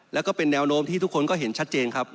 แล้วก็เป็นแนวโน้มที่ทุกคนก็เห็นชัดเจนครับ